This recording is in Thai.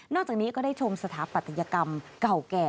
จากนี้ก็ได้ชมสถาปัตยกรรมเก่าแก่